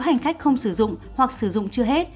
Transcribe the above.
hành khách không sử dụng hoặc sử dụng chưa hết